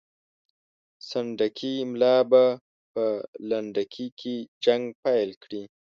سنډکي ملا به په لنډکي کې جنګ پیل کړي.